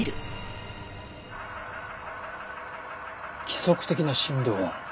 規則的な振動音。